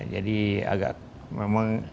jadi agak memang